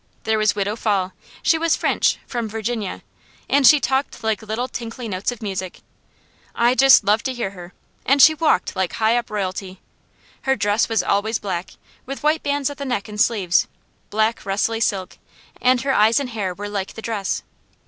There was Widow Fall. She was French, from Virginia, and she talked like little tinkly notes of music. I just loved to hear her, and she walked like high up royalty. Her dress was always black, with white bands at the neck and sleeves, black rustly silk, and her eyes and hair were like the dress.